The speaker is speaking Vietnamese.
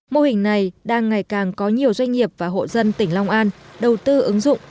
mô hình này đang ngày càng có nhiều doanh nghiệp và hộ dân tỉnh long an đầu tư ứng dụng